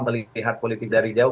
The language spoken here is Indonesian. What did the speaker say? melihat politik dari jauh